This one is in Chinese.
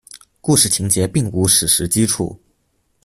故事情节并无史实基础。